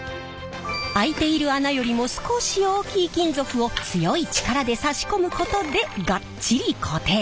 開いている穴よりも少し大きい金属を強い力で差し込むことでガッチリ固定。